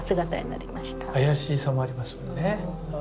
怪しさもありますもんね。